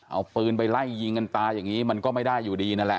เอาปืนไปไล่ยิงกันตายอย่างนี้มันก็ไม่ได้อยู่ดีนั่นแหละ